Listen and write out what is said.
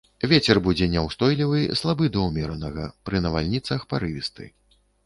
Вецер будзе няўстойлівы слабы да ўмеранага, пры навальніцах парывісты.